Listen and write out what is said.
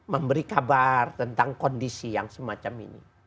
memberi kabar tentang kondisi yang semacam ini